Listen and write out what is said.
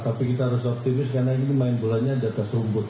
tapi kita harus optimis karena ini main bolanya di atas rumput